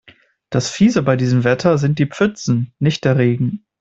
Das Fiese bei diesem Wetter sind die Pfützen, nicht der Regen.